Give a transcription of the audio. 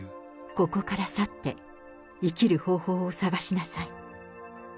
ここから去って、生きる方法を探しなさい。